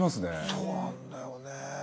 そうなんだよね。